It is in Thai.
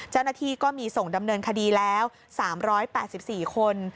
เจ้าหน้าที่ก็มีส่งดำเนินคดีแล้ว๓๘๔คน